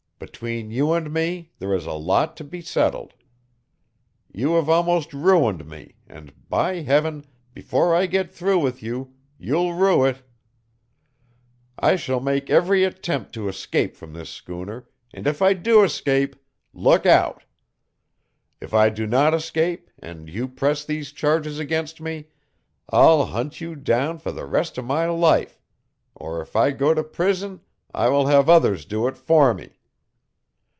Between you and me there is a lot to be settled. You have almost ruined me, and, by Heaven, before I get through with you, you'll rue it! "I shall make every attempt to escape from this schooner, and if I do escape, look out! If I do not escape and you press these charges against me, I'll hunt you down for the rest of my life; or if I go to prison I will have others do it for me.